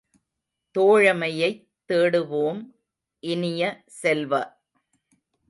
தோழமையைத் தேடுவோம் இனிய செல்வ!